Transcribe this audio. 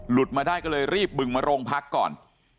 มาได้ก็เลยรีบบึงมาโรงพักก่อน